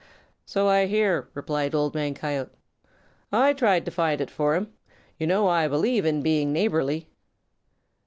"So I hear," replied Old Man Coyote. "I tried to find it for him. You know I believe in being neighborly."